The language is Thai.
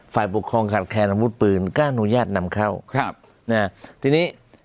ฝ่ายปกครองขาดแคลนอาวุธปืนก็อนุญาตนำเข้าครับนะทีนี้